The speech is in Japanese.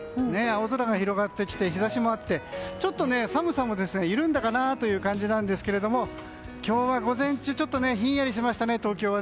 青空が広がってきて日差しもあってちょっと寒さも緩んだかなという感じなんですけれども今日は午前中、東京はひんやりしましたね。